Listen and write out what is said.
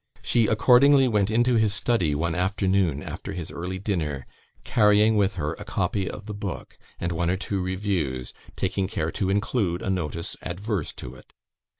She accordingly went into his study one afternoon after his early dinner, carrying with her a copy of the book, and one or two reviews, taking care to include a notice adverse to it.